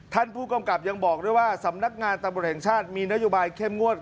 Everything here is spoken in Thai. ท่านผู้กำกับยังบอกด้วยว่าสำนักงานตำรวจแห่งชาติมีนโยบายเข้มงวด